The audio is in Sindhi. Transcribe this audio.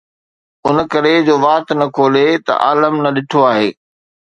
ان ڪري جو وات نه کولي ته عالم نه ڏٺو آهي